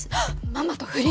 ママと不倫！？